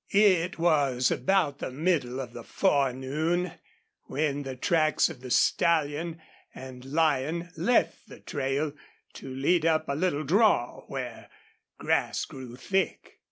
It was about the middle of the forenoon when the tracks of the stallion and lion left the trail to lead up a little draw where grass grew thick.